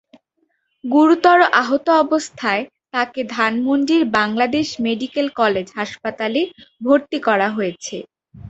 গুরুতর আহত অবস্থায় তাঁকে ধানমন্ডির বাংলাদেশ মেডিকেল কলেজ হাসপাতালে ভর্তি করা হয়েছে।